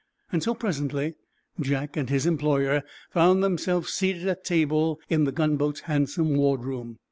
So, presently, Jack and his employer found themselves seated at table in the gunboat's handsome wardroom.